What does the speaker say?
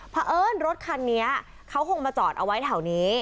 เพราะเอิ้นรถคันนี้เขาคงมาจอดเอาไว้แถวนี้